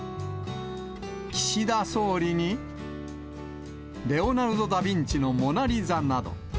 岸田総理に、レオナルド・ダ・ヴィンチのモナリザなど。